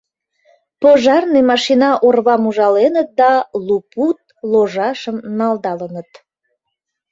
Пожарный машина орвам ужаленыт да лу пуд ложашым налдалыныт...